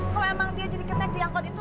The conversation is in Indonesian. kalau emang dia jadi kenaik diangkut itu